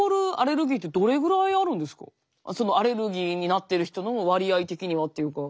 そのアレルギーになってる人の割合的にはっていうか。